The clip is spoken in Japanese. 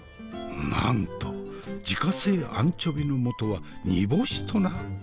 なんと自家製アンチョビのもとは煮干しとな？